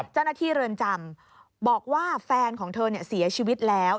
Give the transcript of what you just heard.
เจ้าหน้าที่เรือนจำบอกว่าแฟนของเธอเสียชีวิตแล้ว